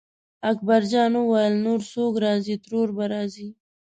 اکبرجان وویل نور څوک راځي ترور به راځي.